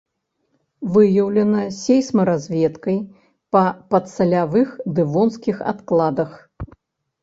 Выяўлена сейсмаразведкай па падсалявых дэвонскіх адкладах.